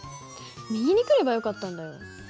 右に来ればよかったんだよ。